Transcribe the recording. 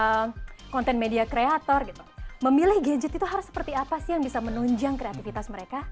pengen jadi seorang content media creator gitu memilih gadget itu harus seperti apa sih yang bisa menunjang kreativitas mereka